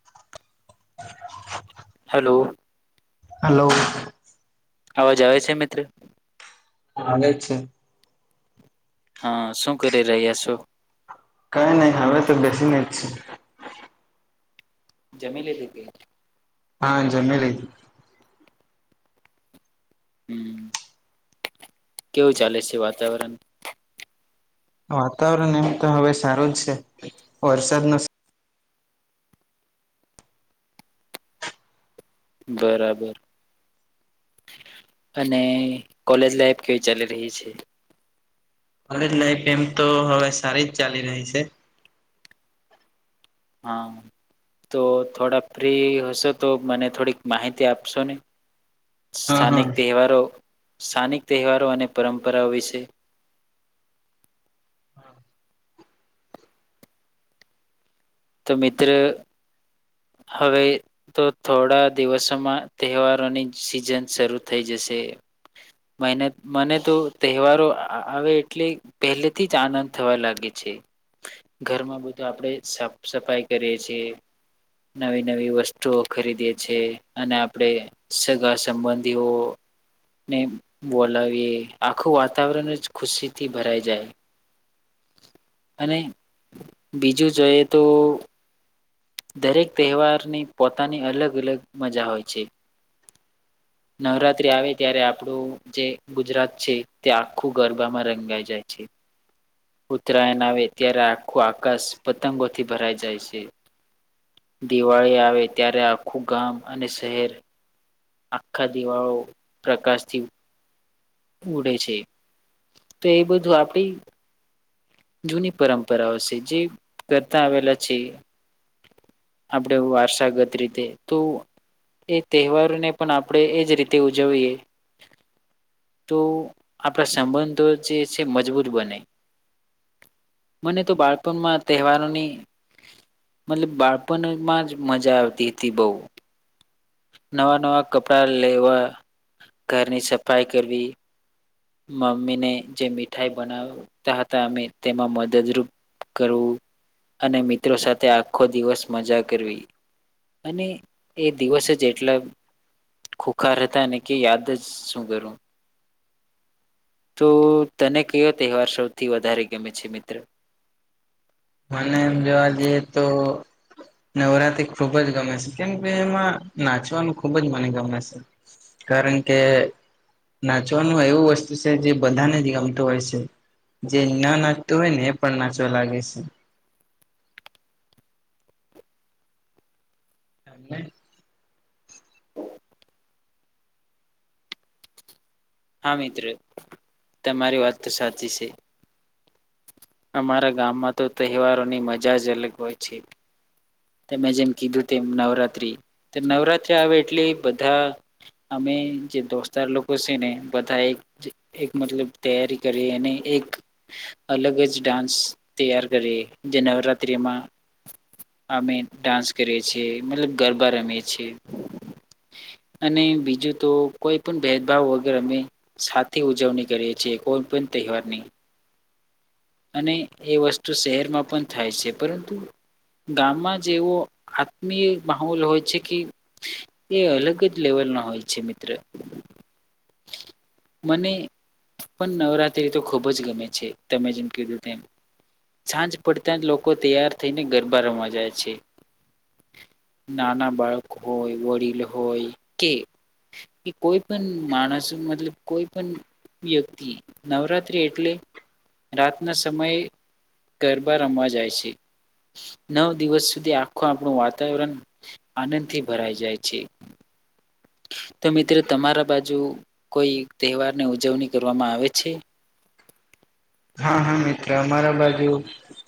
[inaudible] Hello hello અવાજ આવે છે મિત્ર હા છે. હા શું કરી રહ્યા છું. ક નહી હમે તો બેસી નથી છએ જમીલ એ લીધ હા જમ મે્યા લઈ છે. હમ્મ. કેવું ચાલે છે વાતાવરણ? વાતાવરણ એમ તો હવે સારું જ છે. વરસાદ નો બરાબર. અને કોલેજ લાઈફ કેવી ચાલી રહી છે? કોલેજ લાઈફ એમ તો હવે સારી જ ચાલી રહી છે. હા. તો થોડા ફ્રી હશો તો મને થોડીક માહિતી આપશો ને. હા હા સ્થાનિક તહેવારો સ્થાનિક તહેવારો-સ્થાનિકો તહેવારો અને પરંપરાઓ વિશે. હા. તો મિત્ર હવે તો થોડા દિવસોમાં તહેવારોની સિઝન શરૂ થઈ જશે. મેને મને તો તહેવારો આવે એટલે પહેલેથી જ આનંદ થવા લાગે છે. ઘરમાં બધું આપડે સાફ સફાઈ કરીએ છીએ. નવી-નવી વસ્તુઓ ખરીદીએ છે, અને આપણે સગા સંબંધીઓ ને બોલાવીએ, આખું વાતાવરણ જ ખુશીથી ભરાઈ જાય. અને, બીજું જોઈએ તો દરેક તહેવારની પોતાની અલગ-અલગ મજા હોય છે. નવરાત્રી આવે ત્યારે આપણું જે ગુજરાત છે, તે આખું ગરબામાં રંગાઈ જાય છે. ઉતરાયણ આવે ત્યારે આખું આકાશ પતંગોથી ભરાઈ જાય છે. દિવાળી આવે ત્યારે આખું ગામ અને શહેર આખા દિવાળો પ્રકાશથી ઉડે છે. તો એ બધું આપડી જૂની પરંપરાઓ છે, જે કરતા આવેલા છે. આપણેે વારસાગત રીતે, તો એ તહેવારોને પણ આપણે એજ રીતે ઉજવીએ તો આપણા સંબંધો જે છે મજબૂત બને. મને તો બાળપણમાં તહેવારોની મતલબ બાળપણમાં જ મજા આવતી તી બહુ. નવા-નવા કપડા લેવા, ઘરની સફાઈ કરવી મમ્મીને જે મીઠાઈ બનાવતા હતા અમે તેમાં મદદરૂપ કરવું, અને મિત્રો સાથે આખો દિવસ મજા કરવી. અને એ દિવસ જ જેટલા ખુખાર હતા ને કે યાદ જ શું કરું. તો તને કયો તહેવાર સૌથી વધારે ગમે છે મિત્ર? મને એમ જોવા જઈએ તો નવરાત્રી ખુબ જ ગમે હે, કેમ કે એમાં નાચવાનું ખુબ જ મન ગમે સે. કારણ કે નાચવાનું એવું વસ્તુ સે જે બધાને જ ગમતું હોય સે. જે ના નાચતું હોય ને એ પણ નાચવા લાગે છે. [inaudible] હા મિત્ર, તમારી વાત તો સાચી સે. અમારા ગામમાં તો તહેવારોની મજા જ અલગ હોય છે ત જેમ કીધું તેમ નવરાત્ર્રી તો નવરાત્રી આવે એટલે બધા અમે જે દસ્તાર લક સને બધાય એક-એક મતલબ તૈયારી કરી અને એક અલગ જ ડાન્સ તૈયાર કરીએ, જે નવરાત્રીમાં અમે ડાન્સ કરીએ છીએ મતલબ ગરબા રમીએ છીએ. અને બીજું તો કોઈ પણ ભેદભાવ વગર અમે સાથે ઉજવણી કરીએ છીએ કોઈ પણ તહેવારની. અને એ વસ્તુ શહેરમાં પણ થાય છે. પરંતુ ગામમાં જેવો આત્મીય માહોલ હોય છે કે એ અલગ જ લેવલ ના હોય છે મિત્ર મને પણ નવરાત્રી તો ખુબ જ ગમે છે તમે કીધુ તેમ છાંજ પડતા જ લોકો તૈયાર થઈને ગરબા રમવા જાય છે નાના બાળક હોય વડીલ હોય કે કે કોઈ પણ માણસ મતલબ કોઈ પણ વ્યક્તિ નવરાત્રિ એટલે રાતના સમયે ગરબા રમવા જાય છે નવ દિવસ સુધી આખું આપણું વાતાવરણ આનંદથી ભરાઈ જાય છે તો મિત્રો તમારા બાજુ કોઈ તહેવારની ઉજવણી કરવામાં આવે છે હા હા મિત્ર અમારા બાજુ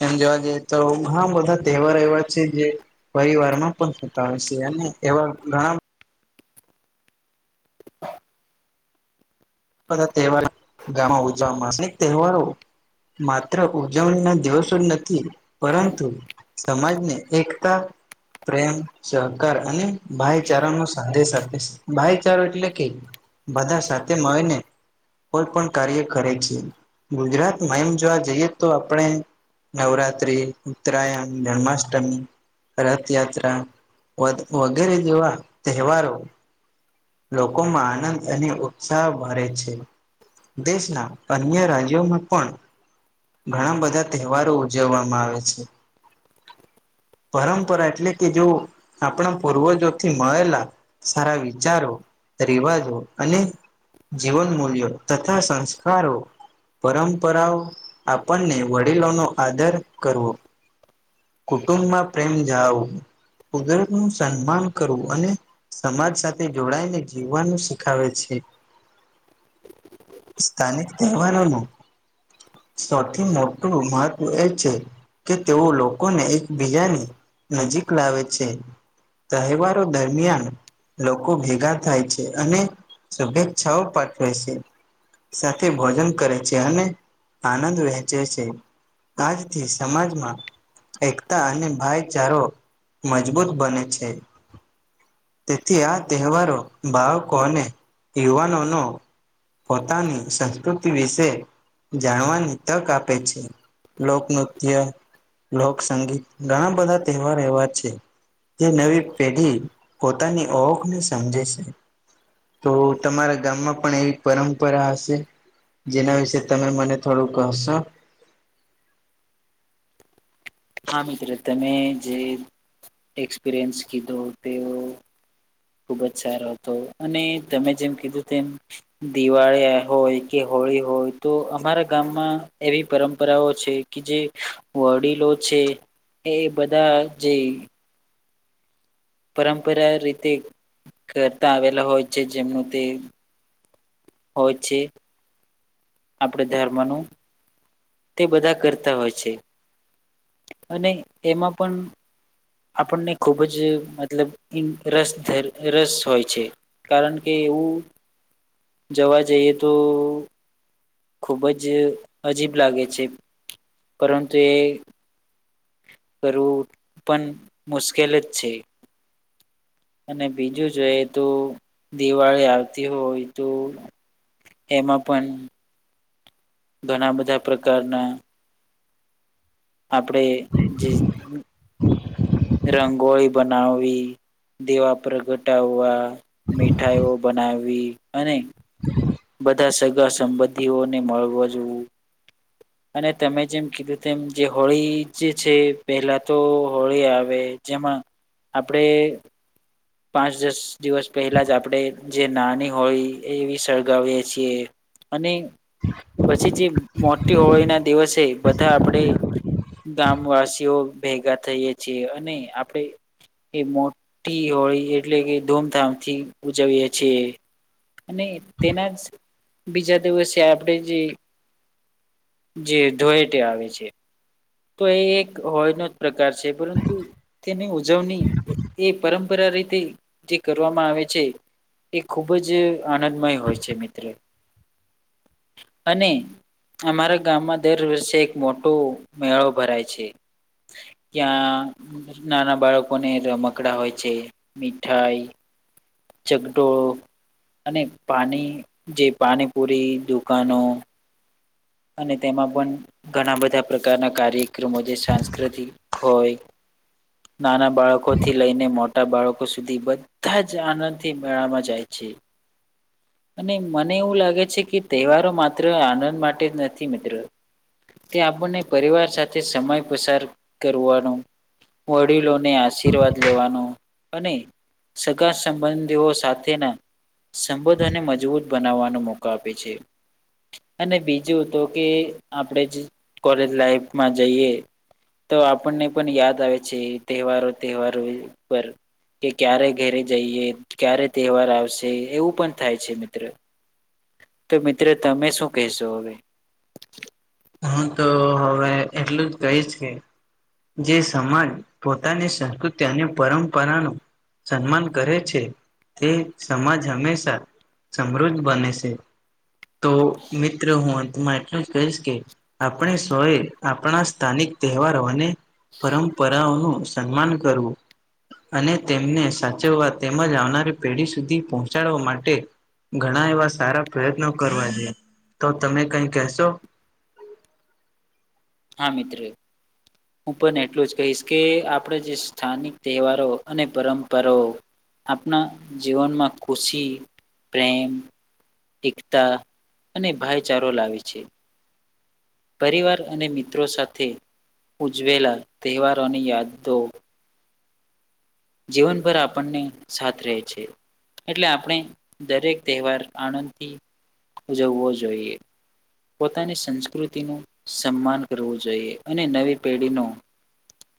એમ જોવા જઈએ તો ઘણા બધા તહેવાર એવા છે જે પરિવાર માં પણ થતા હોય છે અને એવા ઘણા બધા તહેવાર ગામમાં ઉજવામાં અનેક તહેવારો માત્ર ઉજવણી ના દિવસો જ નથી પરંતુ સમાજ ને એકતા પ્રેમ સહકાર અને ભાઈચારા નો સંદેશ આપે છે ભાઈચારો એટલે કે બધા સાથે મળ હોય ને કોઈ પણ કાર્ય કરે છે ગુજરાતમાં એમ જોવા જઈએ તો આપણે નવરાત્રિ ઉત્તરાયણ જન્માષ્ટમી રથયાત્રા વગેરે જેવા તહેવારો લોકોમાં આનંદ અને ઉત્સાહ મળરે છે દેશના અન્ય રાજ્યોમાં પણ ઘણા બધા તહેવારો ઉજવવામાં આવે છે પરંપરા એટલે કે જો આપણા પૂર્વજોથી મળેલા સારા વિચારો રિવાજો અને જીવન મૂલ્યો તથા સંસ્કારો પરંપરાઓ આપણને વડીલો નો આદર કરવો કુટુંબમાં પ્રેમ જાવ કુદરત નું સન્માન કરવું અને સમાજ સાથે જોડાય ને જીવવાનું શીખાવે છે સ્થાનિક તહેવારો ન સૌથી મોટું મહત્વ એ છે કે તેઓ લોકોને એકબીજાની નજીક લાવે છે તહેવારો દરમિયાન લોકો ભેગા થાય છે અને શુભેચ્છાઓ પાઠવે છે સાથે ભોજન કરે છે અને આનંદ વહેંચે છે આજથી સમાજમાં એકતા અને ભાઈચારો મજબૂત બને છે તેથી આ તહેવારો બાાવકો અને યુવાનોનો પોતાની સંસ્કૃતિ વિશે જાણવાની તક આપે છે. લોકનૃત્ય લોકસંગીત ઘણા બધા તહેવાર એવા છે જે નવી પેઢી પોતાની ઓખને સમજે છે તો તમારા ગામમાં પણ એવી પરંપરા હશે જેના વિશેે તમે મને થોડું કહશો. હા મિત્ર તમે જે એક્સપિરયન્સ કીધો તે. ખુબ જ સારો હતો અને તમે જેમ કીધું તેમ. દિવાળી હોય કે હોળી હોય તો અમારા ગામમાં એવી પરંપરાઓ છે. કે જે વડીલો છે એ બધા જે. પરંપરા રીતે કરતા આવેલા હોય છે જેમનું તે. હોય છે. આપડ ધર્મનું. તે બધા કરતા હોય છે અને એમાં પણ. આપણને ખુબ જ મતલબ રસ રસ હોય છે. કારણ કે એવું જવા જઈએ તો. ખૂબ જ અજીબ લાગે છે પરંતુ એ. કરવું પણ મુશ્કેલ જ છે. અને બીજું જો એ તો દિવાળી આવતી હોય તો. એમાં પણ. ઘણા બધા પ્રકારના. આપણે જે. રંગોળી બનાવી. દિવા પરગટાવવા મીઠાઈઓ બનાવી અને. બધા સગા સંબંધીઓને મળવા જોવું. અને તમે જેમ કીધું તેમ જે હોળી જે છે પેલા તો હોળી આવે જેમાં. આપણેે. પાંચ દસ દિવસ પહેલા જ આપણેે જે નાની હોય એવી સળગાવીએ છીએ. અને પછી જે મોટી હોળી ના દિવસે બધા આપણેે. ગામવાસીઓ ભેગા થઈએ છેીએ અને આપડણે. એ મોટી હોળી એટલે કે ધૂમધામથી ઉજવીએ છીએ. અને તેના જ બીજા દિવસે આપણે જે. જે ધૂડેટી આવી છે. તો એ એક હોયનો જ પ્રકાર છે પરંતુ. તેની ઉજવણી એ પરંપરા રીતે જે કરવામાં આવે છે. એ ખુબ જ આનંદમય હોય છે મિત્ર અને અમારા ગામમાં દર વર્ષે એક મોટુ મેળો ભરાય છે ત્યાં નાના બાળકોને રમકડા હોય છે મીઠાઈ. ચગડોળ. અને પાણી જે પાણીપુરી દુકાનો. અને તેમાં પણ ઘણા બધા. પ્રકારના કાર્યક્રમો જે સાંસ્કૃતિક હોય. નાના બાળકો થી લઈને મોટા બાળકો સુધી બધ. બધા જ આનંદ થી મેળામાં જાય છે. અને મને એવું લાગે છે કે તહેવારો માત્ર આનંદ માટે જ નથી મિત્ર તે આપણને પરિવાર સાથે સમય પસાર કરવાનો વડીલોનો આશીર્વાદ લેવાનો અને સગા સંબંધીઓ સાથેના. સંબધને મજબૂત બનાવવાનો મોકો આપે છે. અને બીજું તો કે આપણે કોલેજ લાઈફમાં જઈએ. તો આપણને પણ યાદ આવે છે તહેવારો તહેવારો પર. કે ક્યારે ઘરે જઈએ ક્યારે તહેવાર આવશે એવું પણ થાય છે મિત્ર તો મિત્ર તમે શું કહેશો હવે. હું તો હવે એટલું જ કહીશ કે. જે સમાજ પોતાની સંસ્કૃતિ અને પરંપરાનો. સન્માન કરે છે તે સમાજ હંમેશા. સમૃદ્ધ બને છે તો મિત્ર હું અંતમાં એટલું જ કહીશ કે આપણે સોએ આપણા સ્થાનિક તહેવારો અને. પરંપરાઓનું સન્માન કરવું. અને તેમને સાચવવા તેમજ આવનારી પેઢી સુધી પહોંચાડવા માટે ઘણા એવા સારા પ્રયત્નો કરવા જોઈએ. તો તમે કઈ કહેશો? હા મિત્ર હું પન એટલું જ કહીશ કે આપણે જે સ્થાનિક તહેવારો અને પરંપરાઓ આપના જીવનમાં ખુશી, પ્રેમ એકતા અને ભાઈચારો લાવે છે. પરિવાર અને મિત્રો સાથે ઉજવેલા તહેવારોની યાદો જીવનભર આપણને સાથ રહે છે. એટલે આપણે દરેક તહેવાર આણંદથી ઉજવવો જોઈએ. પોતાની સંસ્કૃતિનું સમ્માન કરવું જોઈએ અને નવી પેઢીનું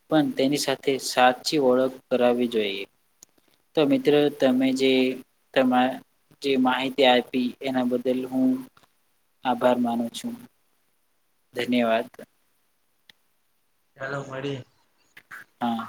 પન તેની સાથે સાચી ઓળખ કરાવી જોઈએ. તો મિત્ર તમે જે તમા જે માહિતી આપી એના બદલ હું આભાર માનું છું. ધન્યવાદ. ચલો મળી. હા